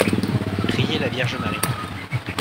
Prier la Vierge Marie.